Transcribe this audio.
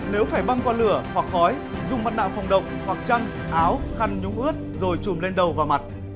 nếu phải băng qua lửa hoặc khói dùng mặt nạ phòng động hoặc chăn áo khăn nhúng ướt rồi trùm lên đầu và mặt